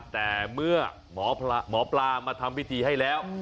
แต่เมื่อหมอปลามาทำพิธีให้แล้ว